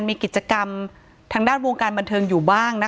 ถ้าใครอยากรู้ว่าลุงพลมีโปรแกรมทำอะไรที่ไหนยังไง